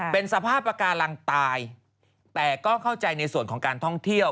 เป็นสภาพปากการังตายแต่ก็เข้าใจในส่วนของการท่องเที่ยว